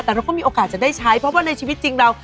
แต่เราก็มีโอกาสจะได้ใช้เพราะว่าในชีวิตจริงเรา